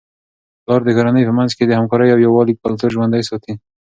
پلار د کورنی په منځ کي د همکارۍ او یووالي کلتور ژوندۍ ساتي.